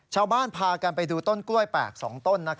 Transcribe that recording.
ชาวบ้านพากันไปดูต้นกล้วยแปลก๒ต้น